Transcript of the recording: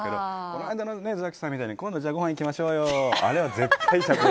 この間の山崎さんみたいに今度、ごはん行きましょうよ。